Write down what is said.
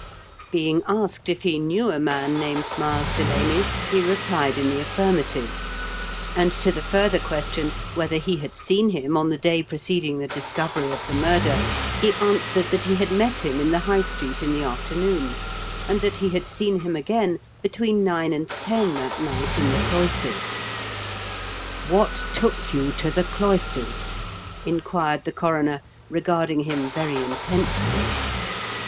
Being asked if he knew a man named Miles Delaney, he replied in the aflfirmative; and to the further question whether he had seen him on the day preceding the discovery of the murder, he answered that he had met him in the High Street in the afternoon, and that he had seen him again between nine and ten that night in the cloisters. '* What took you to the cloisters ?" inquired the coroner, regarding him very intently.